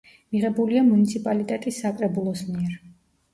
მიღებულია მუნიციპალიტეტის საკრებულოს მიერ.